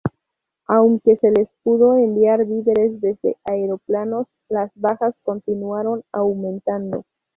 Aunque se les pudo enviar víveres desde aeroplanos, las bajas continuaron aumentando.